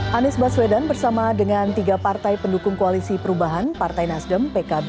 hai anies baswedan bersama dengan tiga partai pendukung koalisi perubahan partai nasdem pkb